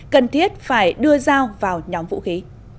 cần thiết phải đưa dao vào nhóm vũ khí